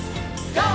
ＧＯ！